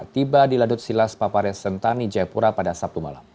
tiba di ladut silas papare sentani jayapura pada sabtu malam